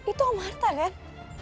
itu om arta len